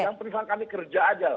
yang penuh kesalahan kami kerja aja